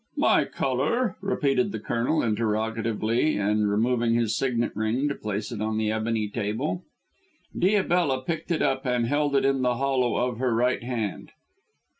"My colour?" repeated the Colonel interrogatively and removing his signet ring to place it on the ebony table. Diabella picked it up and held it in the hollow of her right hand.